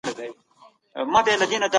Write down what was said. تاسي ولي په ژوند کي د خدای له ذکره لیري یاست؟